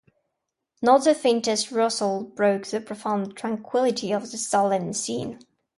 Not the faintest rustle broke the profound tranquillity of the solemn scene.